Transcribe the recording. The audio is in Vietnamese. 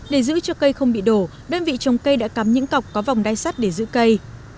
để giữ cho cây không bị đổ đơn vị trồng cây đã cắm những cọc có vòng đai sắt để giữ cây